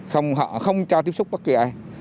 họ không cho tiếp xúc bất cứ ai